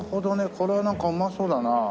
これはなんかうまそうだな。